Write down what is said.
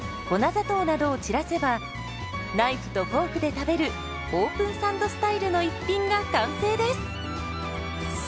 ナイフとフォークで食べるオープンサンドスタイルの一品が完成です。